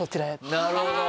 なるほど。